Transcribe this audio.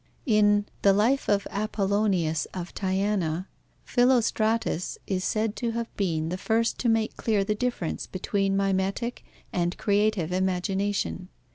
In the Life of Apollonius of Tyana, Philostratus is said to have been the first to make clear the difference between mimetic and creative imagination.